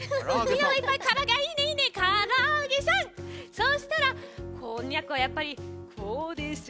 そしたらこんにゃくはやっぱりこうでしょう。